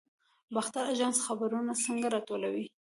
باختر اژانس خبرونه څنګه راټولوي؟